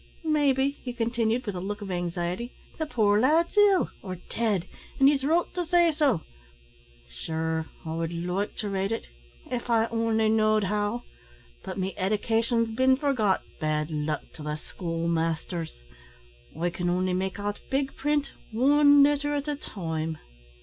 Maybe," he continued, with a look of anxiety, "the poor lad's ill, or dead, an' he's wrote to say so. Sure, I would like to raid it av I only know'd how; but me edication's bin forgot, bad luck to the schoolmasters; I can only make out big print wan letter at a time."